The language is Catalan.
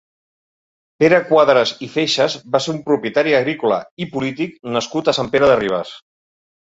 Pere Cuadras i Feixes va ser un propietari agrícola i polític nascut a Sant Pere de Ribes.